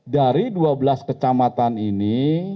dari dua belas kecamatan ini